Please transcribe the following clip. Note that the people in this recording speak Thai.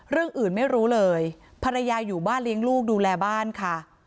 เรื่องอื่นไม่รู้เลยภรรยาอยู่บ้านเลี้ยงลูกดูแลบ้านค่ะ